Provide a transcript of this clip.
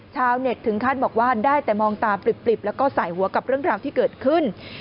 ชาวเน็ตถึงขั้นบอกว่าได้แต่มองตาปริบแล้วก็สายหัวกับเรื่องราวที่เกิดขึ้น